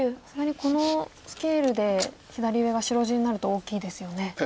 さすがにこのスケールで左上が白地になると大きいですよね。